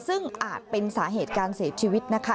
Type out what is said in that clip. ซึ่งอาจเป็นสาเหตุการเสียชีวิตนะคะ